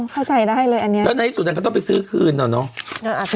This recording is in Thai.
เข้าใจได้เลยอันนี้แล้วในที่สุดนั้นก็ต้องไปซื้อคืนเหรอเนอะ